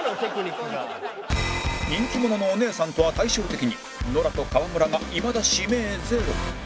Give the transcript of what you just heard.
人気者のお姉さんとは対照的にノラと川村がいまだ指名ゼロ